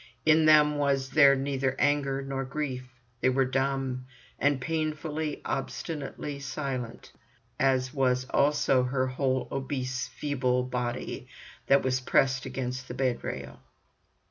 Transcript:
In them was there neither anger nor grief; they were dumb, and painfully, obstinately silent, as was also her whole obese feeble body that was pressed against the bed rail.